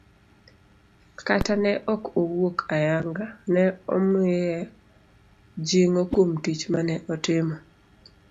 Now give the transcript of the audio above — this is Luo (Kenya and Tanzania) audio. kata ne ok owuok ayanga, ne omiye jing'o kuom tich mane otimo.